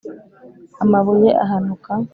Amabuye ahanuka